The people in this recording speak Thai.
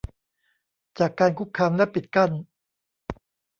จากการคุกคามและปิดกั้น